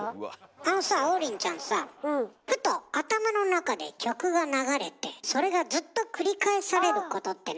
あのさ王林ちゃんさふと頭の中で曲が流れてそれがずっと繰り返されることってない？